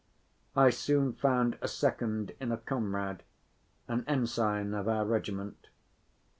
I soon found a second in a comrade, an ensign of our regiment.